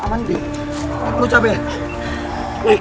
tidak tidak tidak